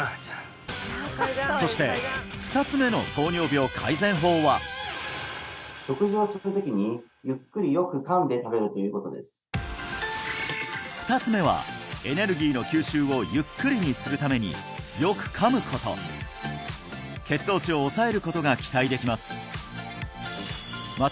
そして２つ目の糖尿病改善法は２つ目はエネルギーの吸収をゆっくりにするためによく噛むこと血糖値を抑えることが期待できます